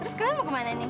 terus kalian mau kemana nih